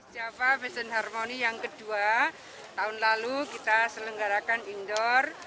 java fashion harmony yang kedua tahun lalu kita selenggarakan indoor